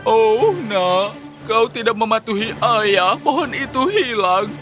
oh nak kau tidak mematuhi ayah pohon itu hilang